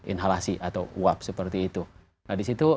inhalasi atau uap seperti itu nah disitu